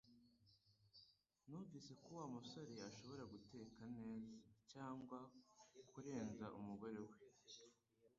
Numvise ko Wa musore ashobora guteka neza, cyangwa kurenza umugore we